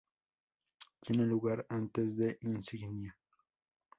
Tiene lugar antes de "Insignia".